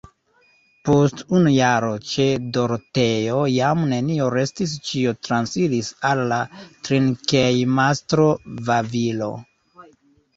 Post unu jaro ĉe Doroteo jam nenio restis ĉio transiris al la drinkejmastro Vavilo.